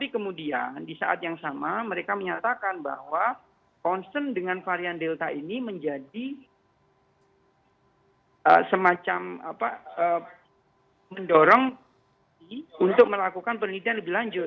kemudian di saat yang sama mereka menyatakan bahwa concern dengan varian delta ini menjadi semacam mendorong untuk melakukan penelitian lebih lanjut